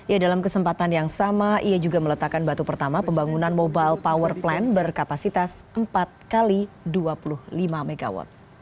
ya dalam kesempatan yang sama ia juga meletakkan batu pertama pembangunan mobile power plant berkapasitas empat x dua puluh lima mw